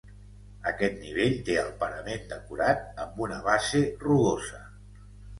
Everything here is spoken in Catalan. Aquest nivell té el parament decorat amb una base rugosa.